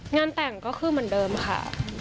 งานแต่งก็คือเหมือนเดิมค่ะ